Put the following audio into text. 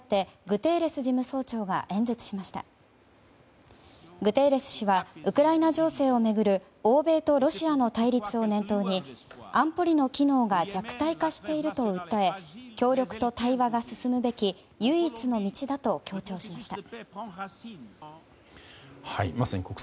グテーレス氏はウクライナ情勢を巡る欧米とロシアの対立を念頭に安保理の機能が弱体化していると訴え協力と対話が進むべき唯一の道だと強調しました。